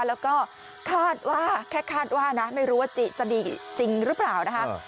แล้วก็คาดว่าแค่คาดว่านะไม่รู้ว่าจะมีจริงหรือเปล่านะคะ